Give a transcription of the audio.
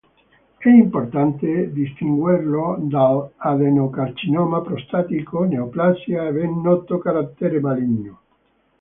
È importante distinguerlo dall'adenocarcinoma prostatico, neoplasia a ben noto carattere maligno.